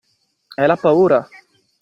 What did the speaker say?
È la paura!